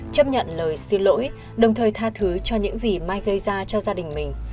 chấp nhận lời xin lỗi đồng thời tha thứ cho những gì mai gây ra cho gia đình mình